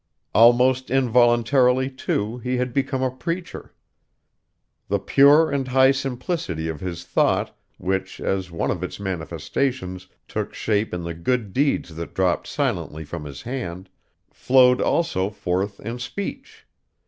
Almost involuntarily, too, he had become a preacher. The pure and high simplicity of his thought, which, as one of its manifestations, took shape in the good deeds that dropped silently from his hand, flowed also forth in speech.